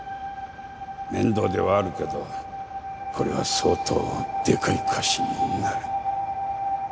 面倒ではあるけどこれは相当でかい貸しになる。